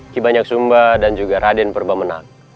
ki banyak sumba dan juga raden purba menang